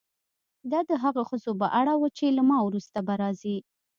دا د هغو ښځو په اړه وه چې له ما وروسته به راځي.